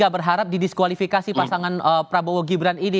berharap didiskualifikasi pasangan prabowo gibran ini